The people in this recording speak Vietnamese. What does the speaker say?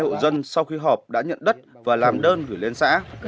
năm mươi hai hộ dân sau khi họp đã nhận đất và làm đơn gửi lên xã